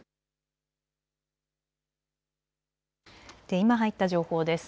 今入った情報です。